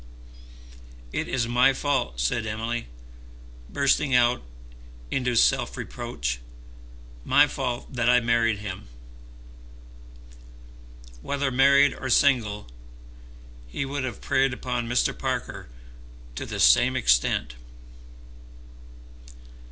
"It is my fault," said Emily, bursting out into self reproach, "my fault that I married him." "Whether married or single he would have preyed upon Mr. Parker to the same extent."